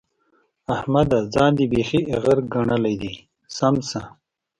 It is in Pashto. احمده! ځان دې بېخي ايغر ګڼلی دی؛ سم شه.